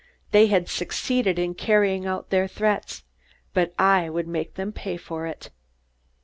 They had succeeded in carrying out their threats, but I would make them pay for it.